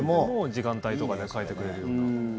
時間帯とかで変えてくれるような。